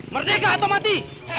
merdeka atau mati